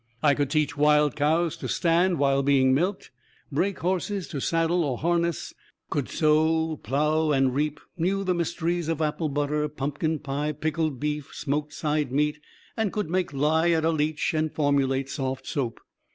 I could teach wild cows to stand while being milked; break horses to saddle or harness; could sow, plow and reap; knew the mysteries of apple butter, pumpkin pie pickled beef, smoked side meat, and could make lye at a leach and formulate soft soap.